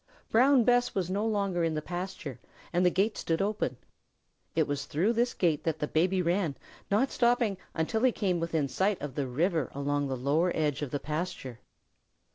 Brown Bess was no longer in the pasture, and the gate stood open. It was through this gate that the Baby ran, not stopping until he came within sight of the river along the lower edge of the pasture.